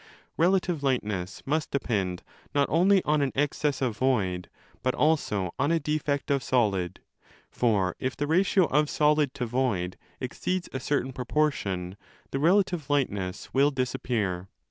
Relative lightness must depend not only on an excess of void, but also on a defect of solid: for if the ratio of solid to void exceeds a certain proportion, the relative lightness will disappear.